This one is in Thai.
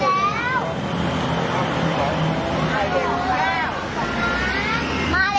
อีกใบหนึ่ง